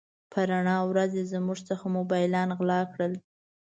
په رڼا ورځ يې زموږ څخه موبایلونه غلا کړل.